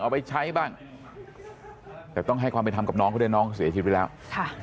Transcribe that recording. เอาไปใช้บ้างแต่ต้องให้ความไปทำกับน้องก็ได้น้องเสียชินไปแล้วค่ะ